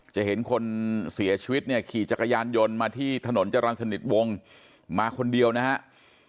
จะเห็นคนเสียชีวิตเนี่ยขี่จักรยานยนต์มาที่ถนนจรรย์สนิทวงมาคนเดียวนะครับ